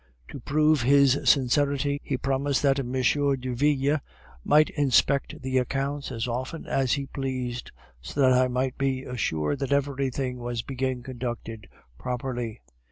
To prove his sincerity, he promised that M. Derville might inspect the accounts as often as I pleased, so that I might be assured that everything was being conducted properly.